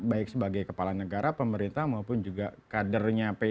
baik sebagai kepala negara pemerintahan maupun juga kader